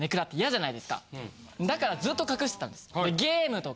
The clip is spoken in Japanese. だからずっと隠してたんです。